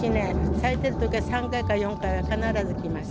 咲いてるときは３回か４回は必ず来ます。